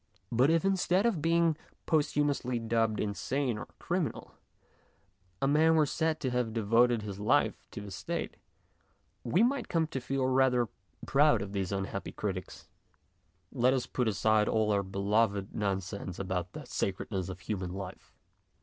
But if instead of being posthu mously dubbed insane or a criminal a man were said to have devoted his life to the State, we might come to feel rather proud of these unhappy critics. Let us put aside all our beloved nonsense about the sacredness of human life.